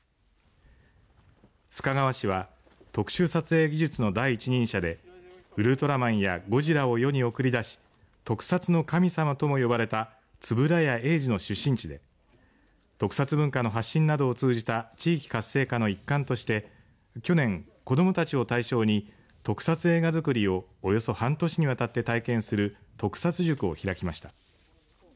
須賀川市は特殊撮影技術の第一人者でウルトラマンやゴジラを世に送り出し特撮の神様とも呼ばれた円谷英二の出身地で特撮文化の発信などを通じた地域活性化の一環として去年、子どもたちを対象に特撮映画作りをおよそ半年にわたって体験する特撮塾を開きました。